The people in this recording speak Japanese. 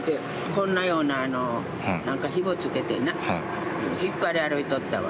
こんなようななんかひもつけてな、引っ張り歩いとったわ。